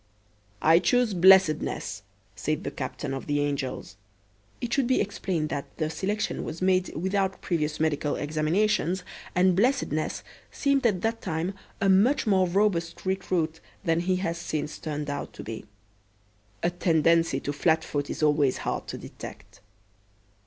"I choose Blessedness," said the Captain of the Angels. It should be explained that the selection was made without previous medical examination, and Blessedness seemed at that time a much more robust recruit than he has since turned out to be. A tendency to flat foot is always hard to detect.